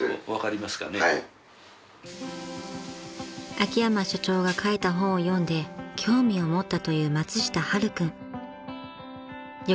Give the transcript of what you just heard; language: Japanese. ［秋山社長が書いた本を読んで興味を持ったという］